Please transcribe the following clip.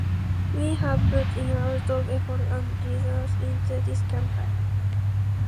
We have put in a lot of effort and resources into this campaign.